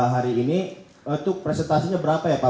hari ini itu presentasinya berapa ya pak